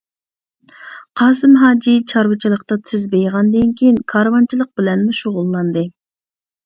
قاسىم ھاجى چارۋىچىلىقتا تېز بېيىغاندىن كېيىن كارۋانچىلىق بىلەنمۇ شۇغۇللاندى.